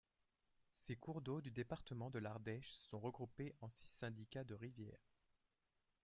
Ces cours d'eau du département de l'Ardèche sont regroupés en six syndicats de rivières.